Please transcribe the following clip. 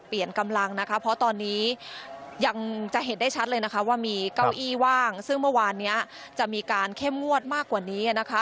เพราะว่าเมื่อวานนี้จะมีการเข้มงวดมากกว่านี้นะคะ